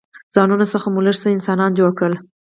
ځانونو څخه مو لږ څه انسانان جوړ کړل.